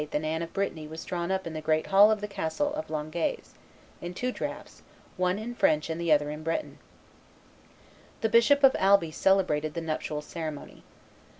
and Anne of Brittany was drawn up in the great hall of the castle of Langeais, in two drafts, one in French and the other in Breton. The Bishop of Alby celebrated the nuptial ceremony.